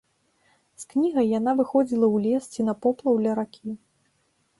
З кнігай яна выходзіла ў лес ці на поплаў ля ракі.